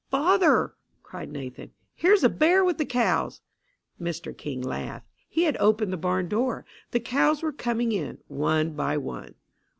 "Father!" cried Nathan. "Here's a bear with the cows!" Mr King laughed. He had opened the barn door. The cows were going in, one by one.